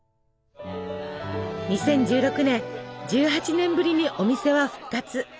２０１６年１８年ぶりにお店は復活。